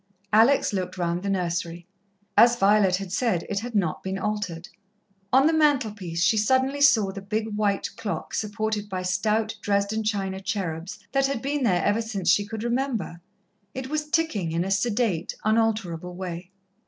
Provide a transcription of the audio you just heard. Alex looked round the nursery. As Violet had said, it had not been altered. On the mantelpiece she suddenly saw the big white clock, supported by stout Dresden china cherubs, that had been there ever since she could remember. It was ticking in a sedate, unalterable way.